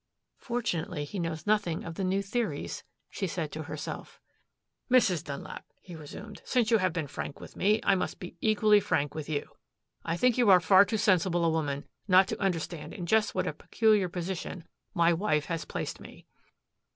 "Fortunately he knows nothing of the new theories," she said to herself. "Mrs. Dunlap," he resumed, "since you have been frank with me, I must be equally frank with you. I think you are far too sensible a woman not to understand in just what a peculiar position my wife has placed me."